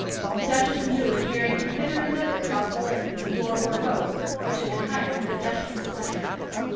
The Duchess and Julie carried him hither and thither about the lake in the four oar boat which had been hired for the Duchess's pleasure.